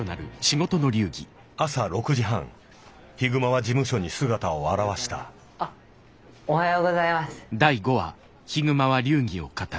朝６時半悲熊は事務所に姿を現したあっおはようございます。